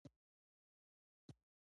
ویالو او نهرونو څخه کثافات.